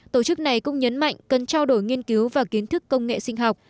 tổ chức này cũng nhấn mạnh cần trao đổi nghiên cứu và kiến thức công nghệ sinh học